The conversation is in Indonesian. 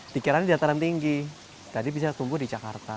pikirannya dataran tinggi tadi bisa tumbuh di jakarta